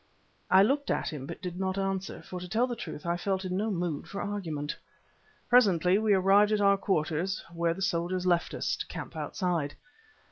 I looked at him but did not answer, for to tell the truth I felt in no mood for argument. Presently we arrived at our quarters, where the soldiers left us, to camp outside.